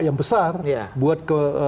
yang besar buat ke